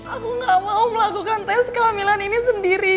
aku gak mau melakukan tes kelaminan ini sendirian